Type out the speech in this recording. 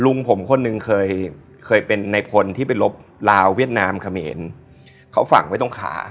ลุงผมคนหนึ่งเคยเคยเป็นในพลที่ไปลบลาวเวียดนามเขมรเขาฝังไว้ตรงขา